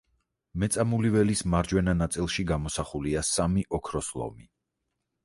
მეწამული ველის მარჯვენა ნაწილში გამოსახულია სამი ოქროს ლომი.